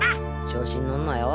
調子に乗んなよ。